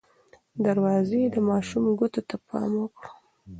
دروازې د ماشوم ګوتو ته پام وکړئ.